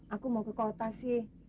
aku mau ke kota sih